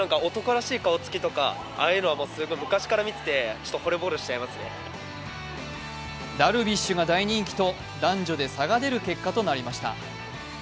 一方、男性に聞いてみるとダルビッシュが大人気と男女で差が出る結果となりました。